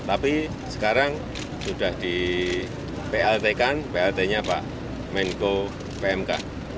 tapi sekarang sudah di plt kan plt nya pak menko pmk